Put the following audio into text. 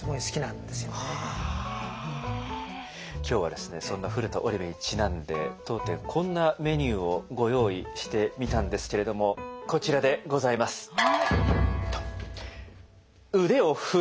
今日はそんな古田織部にちなんで当店こんなメニューをご用意してみたんですけれどもこちらでございます。